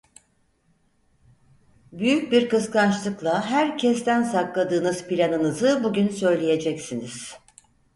Büyük bir kıskançlıkla herkesten sakladığınız planınızı bugün söyleyeceksiniz.